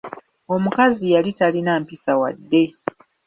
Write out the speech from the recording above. Omukazi yali talina mpisa wadde.